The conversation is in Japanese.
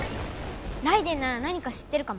ライデェンならなにか知ってるかも。